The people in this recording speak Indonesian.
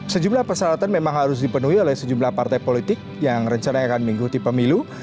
sejumlah persyaratan memang harus dipenuhi oleh sejumlah partai politik yang rencana akan mengikuti pemilu